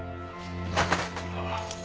ああ。